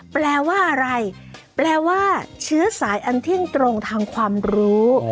แปลว่าอะไรแปลว่าเชื้อสายอันเที่ยงตรงทางความรู้